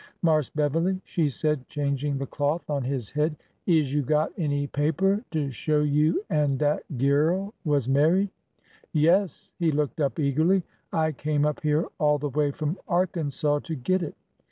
" Marse Beverly/' she said, changing the cloth on his head, '' is you got any paper to show you an' dat gyurl was married ?"" Yes." He looked up eagerly. I came up here all the way from Arkansas to get it.